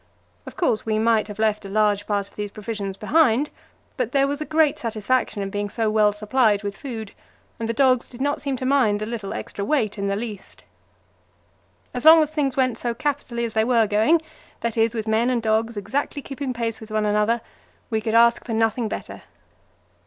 Of course, we might have left a large part of these provisions behind; but there was a great satisfaction in being so well supplied with food, and the dogs did not seem to mind the little extra weight in the least. As long as things went so capitally as they were going that is, with men and dogs exactly keeping pace with one another we could ask for nothing better.